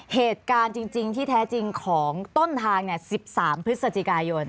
เหตุการณ์จริงที่แท้จริงของต้นทาง๑๓พฤศจิกายน